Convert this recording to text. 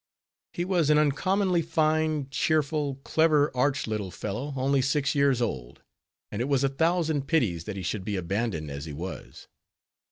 He was an uncommonly fine, cheerful, clever, arch little fellow, only six years old, and it was a thousand pities that he should be abandoned, as he was.